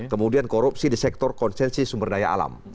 kemudian korupsi di sektor konsensi sumber daya alam